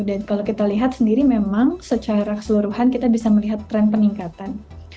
dan kalau kita lihat sendiri memang secara keseluruhan kita bisa melihat trend peningkatan